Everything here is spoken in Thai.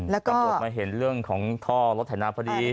ตำรวจมาเห็นเรื่องของท่อรถไถนาพอดี